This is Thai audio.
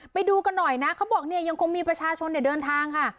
ไปดูกันหน่อยนะเขาบอกเนี่ยยังคงมีประชาชนเดินทางค่ะ